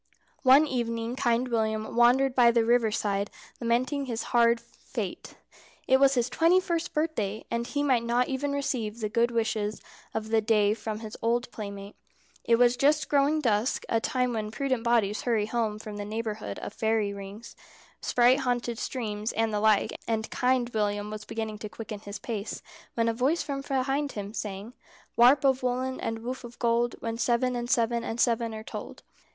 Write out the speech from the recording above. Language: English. One evening Kind William wandered by the river side lamenting his hard fate. It was his twenty first birthday, and he might not even receive the good wishes of the day from his old playmate. It was just growing dusk, a time when prudent bodies hurry home from the neighbourhood of fairy rings, sprite haunted streams, and the like, and Kind William was beginning to quicken his pace, when a voice from behind him sang: "Warp of woollen and woof of gold: When seven and seven and seven are told."